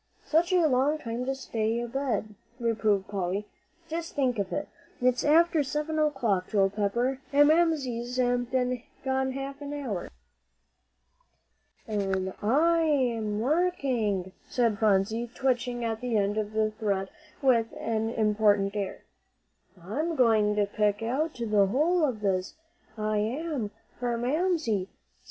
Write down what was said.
"Such a long time to stay abed," reproved Polly; "just think of it, it's after seven o'clock, Joel Pepper, and Mamsie's been gone half an hour!" "An' I'm working," said Phronsie, twitching at the end of the thread with an important air. "I'm going to pick out the whole of this, I am, for Mamsie.